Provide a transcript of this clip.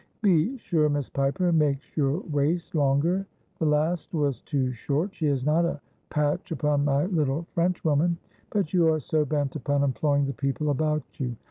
' Be sure Miss Piper makes your waist longer. The last was too short. She is not a patch upon my little Frenchwoman. But you are so bent upon employing the people about you.'